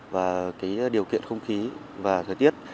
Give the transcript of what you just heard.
và điều kiện không khí và thời tiết